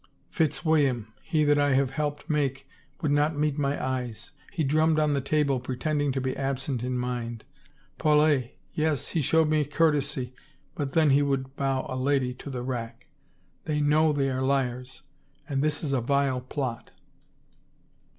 Fitzwilliam — he that I have helped make — would not meet my eyes; he drummed on the table pretending to be absent in mind. Paulet — yes, he showed me courtesy, but then he would bow a lady to the rack. ... They know they are liars! And this is a vile plot.